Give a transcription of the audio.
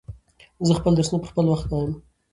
زه خپل درسونه پر وخت وایم.